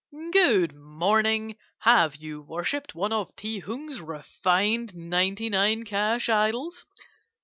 "Good morning! Have you worshipped one of Ti Hung's refined ninety nine cash idols?